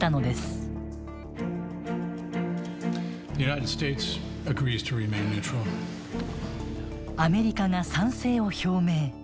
アメリカが賛成を表明。